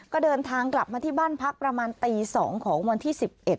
ก็เดินทางกลับมาที่บ้านพักประมาณตี๒ของวันที่๑๑